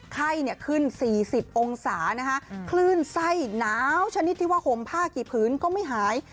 ไข้ขึ้น๔๐องศานะคะคลื่นไส้หนาวชนิดที่ว่าห่มผ้ากี่ผืนก็ไม่หาย